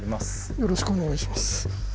よろしくお願いします。